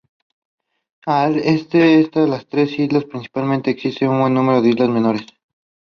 Syrup is often used instead of vanilla sugar.